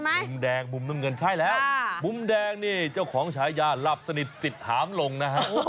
มุมแดงมุมน้ำเงินใช่แล้วมุมแดงนี่เจ้าของฉายาหลับสนิทสิทธิหามลงนะฮะ